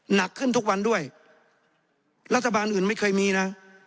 หนักขึ้นทุกวันด้วยรัฐบาลอื่นไม่เคยมีนะ